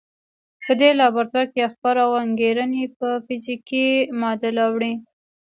په دې لابراتوار کې افکار او انګېرنې پر فزيکي معادل اوړي.